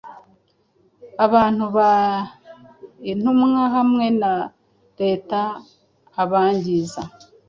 Abantu ba intumwa hamwe na retaAbangiza